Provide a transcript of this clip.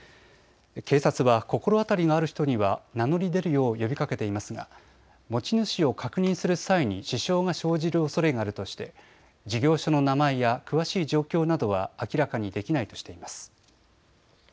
警察は心当たりがある人には名乗り出るよう呼びかけていますが持ち主を確認する際に支障が生じるおそれがあるとして事業所の名前や詳しい状況などは明らかにできないとしています。